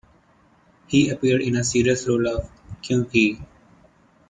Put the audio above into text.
He appeared in a serious role in Kyun Ki.